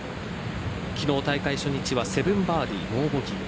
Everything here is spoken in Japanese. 昨日、大会初日は７バーディー、ノーボギー。